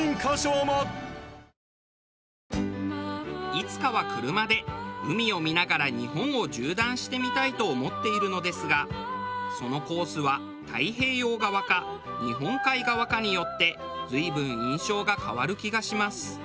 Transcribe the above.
いつかは車で海を見ながら日本を縦断してみたいと思っているのですがそのコースは太平洋側か日本海側かによって随分印象が変わる気がします。